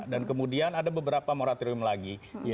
dan kemudian ada beberapa moratorium lagi